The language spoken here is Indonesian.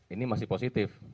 ini masih positif